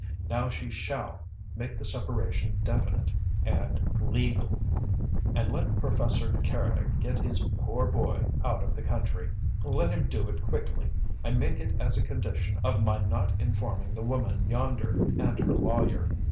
Now she SHALL make the separation definite and LEGAL! And let Professor Keredec get his 'poor boy' out of the country. Let him do it quickly! I make it as a condition of my not informing the woman yonder and her lawyer.